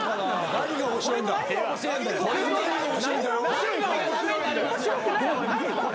何が面白いんだ？